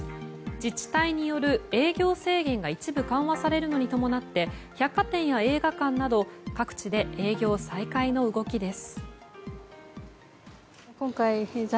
自治体による営業制限が一部緩和されるのに伴って百貨店や映画館など各地で営業再開の動きです。